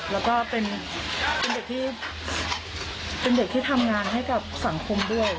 แล้วก็เป็นเด็กที่ทำงานให้กับสังคมด้วย